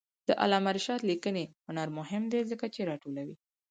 د علامه رشاد لیکنی هنر مهم دی ځکه چې راټولوي.